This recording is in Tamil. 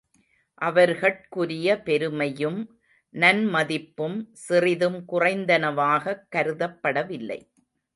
அவர்கட்குரிய பெருமையும் நன்மதிப்பும் சிறிதும் குறைந்தனவாகக் கருதப்படவில்லை.